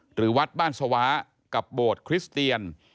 หรือวัดบ้านสวากับโบสถคริสเตียน